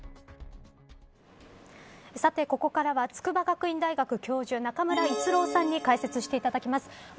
さてここからは筑波学院大学教授中村逸郎さんに解説していただきます。